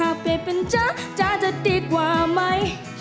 เปลี่ยนเป็นจ๊ะจ๊ะจะดีกว่าไหม